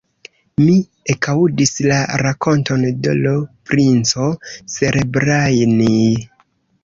Mi ekaŭdis la rakonton de l' princo Serebrjanij.